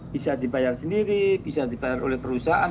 bisa dibayar sendiri bisa dibayar oleh perusahaan